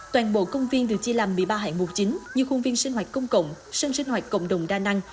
toàn bộ công viên được chia làm một mươi ba hạng mục chính như khuôn viên sinh hoạt công cộng sân sinh hoạt cộng đồng đa năng